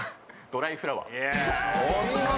『ドライフラワー』お見事。